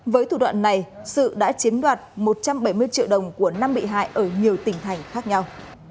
với thủ đoạn này sự đã chiếm đoạt một trăm bảy mươi triệu đồng của năm bị hại ở nhiều tỉnh thành khác nhau